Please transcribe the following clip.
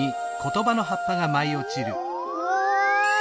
うわ！